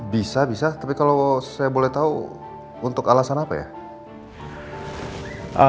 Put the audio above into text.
bisa bisa tapi kalau saya boleh tahu untuk alasan apa ya